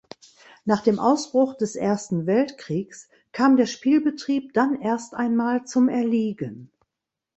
Nach dem Ausbruch des Ersten Weltkriegs kam der Spielbetrieb dann erst einmal zum Erliegen.